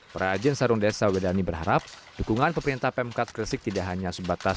perajian sarung desa wudani berharap dukungan pemerintah pemkat gresik tidak hanya sebatas